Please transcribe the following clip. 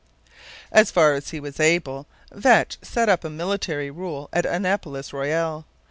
As far as he was able, Vetch set up military rule at Annapolis Royal.